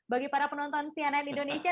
bagi para penonton cnn indonesia